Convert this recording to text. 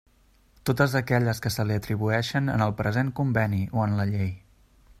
Totes aquelles que se li atribueixen en el present Conveni o en la Llei.